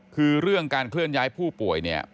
คือเรื่องการเคลื่อนย้ายผู้ป่วยเนี่ย